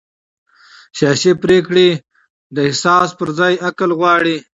سیاسي پرېکړې د احساس پر ځای عقل غواړي